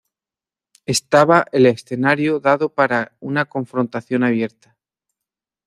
Estaba el escenario dado para una confrontación abierta.